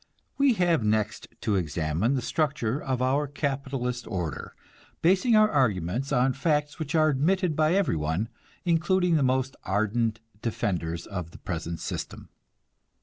We have next to examine the structure of the capitalist order, basing our argument on facts which are admitted by everyone, including the most ardent defenders of the present system.